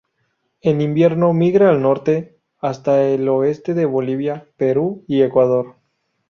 En invierno migra al norte, hasta el oeste de Bolivia, Perú, y Ecuador.